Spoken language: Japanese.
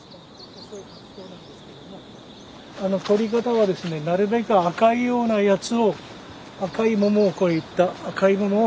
とり方はですねなるべく赤いようなやつを赤いモモをこういった赤いモモを狙って下さい。